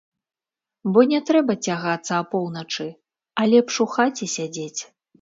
Бо не трэба цягацца апоўначы, а лепш у хаце сядзець!